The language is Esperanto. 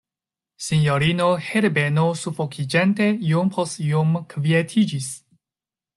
Sinjorino Herbeno sufokiĝante iom post iom kvietiĝis.